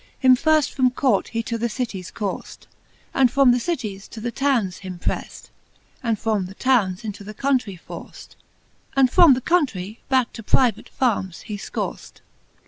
Him firft from court he to the citties courfed, And from the citties to the townes him preft. And from the townes into the countrie forfed, And from the country back to private farms he fcorfed.